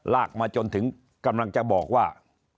ลากมาจนถึงกำลังจะบอกว่า